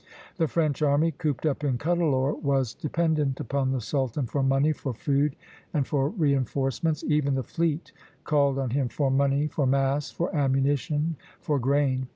The French army, cooped up in Cuddalore, was dependent upon the sultan for money, for food, and for reinforcements; even the fleet called on him for money, for masts, for ammunition, for grain.